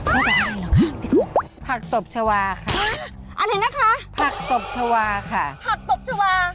ได้แต่อะไรเหรอคะผักตบชาวาค่ะอะไรนะคะผักตบชาวาค่ะผักตบชาวา